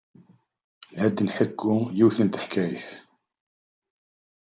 La d-nḥekku yiwet n teḥkayt.